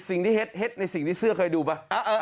สิ่งที่เห็ดในสิ่งที่เสื้อเคยดูป่ะ